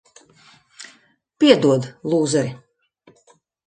Piedod, lūzeri.